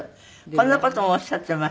こんな事もおっしゃっていました。